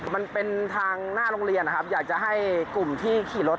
มันเป็นทางหน้าโรงเรียนนะครับอยากจะให้กลุ่มที่ขี่รถ